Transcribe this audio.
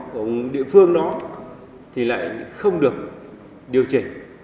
của địa phương đó thì lại không được điều chỉnh